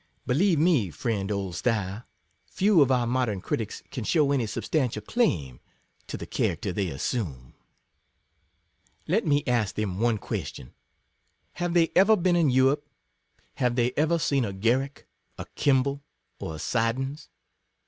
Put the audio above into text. Believe me, friend Oldstyle, few of our modern critics can shew any substantial claim 60 to the character they assume. Let me ask them one question — Have they ever been in Europe? Have they ever seen a Garrick, a Kemble, or a Siddons ?